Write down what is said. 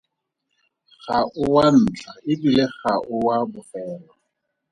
Ga o wa ntlha, e bile ga o wa bofelo.